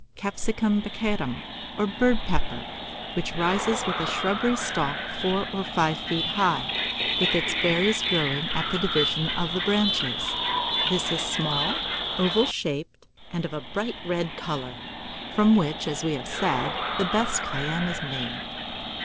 Capsicum baccatum, or bird pepper, which rises with a shrubby stalk four or five feet high, with its berries growing at the division of the branches: this is small, oval shaped, and of a bright red colour, from which, as we have said, the best cayenne is made.